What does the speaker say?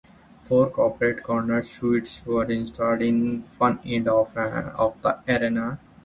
Four corporate corner suites were installed in one end of the arena.